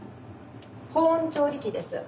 保温調理器です。